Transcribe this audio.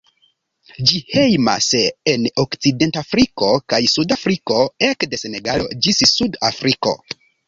Ĝi hejmas en Okcidentafriko kaj suda Afriko, ekde Senegalo ĝis Sud-Afriko.